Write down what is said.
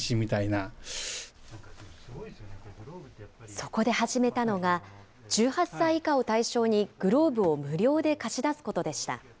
そこで始めたのが、１８歳以下を対象に、グローブを無料で貸し出すことでした。